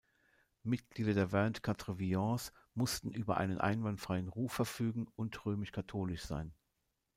Mitglieder der "Vingt-quatre Violons" mussten über einen einwandfreien Ruf verfügen und römisch-katholisch sein.